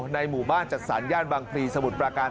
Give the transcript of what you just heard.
ในหมู่บ้านจัดสรรย่านบางพลีสมุทรปราการ